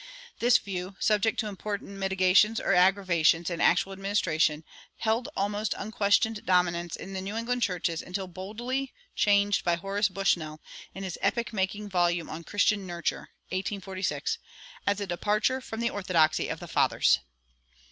This view, subject to important mitigations or aggravations in actual administration, held almost unquestioned dominance in the New England churches until boldly challenged by Horace Bushnell, in his "epoch making" volume on "Christian Nurture" (1846), as a departure from the orthodoxy of the fathers.